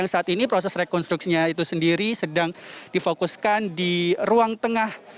saat ini proses rekonstruksinya itu sendiri sedang difokuskan di ruang tengah